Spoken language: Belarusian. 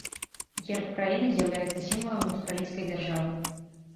Герб краіны з'яўляецца сімвалам аўстралійскай дзяржавы.